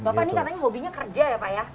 bapak ini katanya hobinya kerja ya pak ya